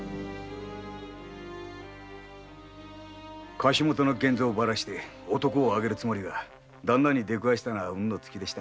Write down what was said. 貸元の源三をバラして男をあげるつもりがダンナに出くわしたのが運の尽きでした。